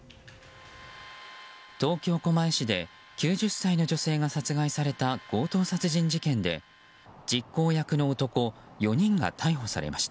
東京・狛江市で９０歳の女性が殺害された強盗殺人事件で実行役の男４人が逮捕されました。